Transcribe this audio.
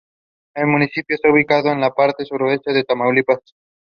Smith and her husband have two sons.